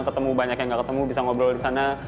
ketemu banyak yang gak ketemu bisa ngobrol di sana